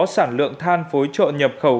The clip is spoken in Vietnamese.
sản lượng than phối trộn nhập khẩu